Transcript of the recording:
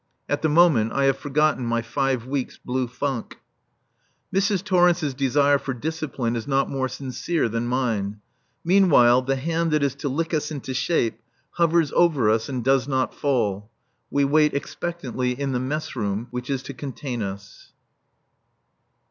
(At the moment I have forgotten my five weeks' blue funk.) Mrs. Torrence's desire for discipline is not more sincere than mine. Meanwhile the hand that is to lick us into shape hovers over us and does not fall. We wait expectantly in the mess room which is to contain us.